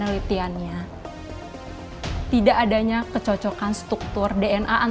hasil tes dna udah keluarin